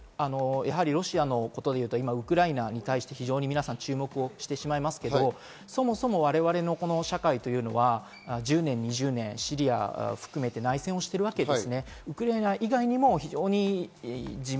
今、ロシアというと、ウクライナに注目してしまいますが、そもそも我々の社会というのは、１０年、２０年、シリアを含めて内戦しているわけです。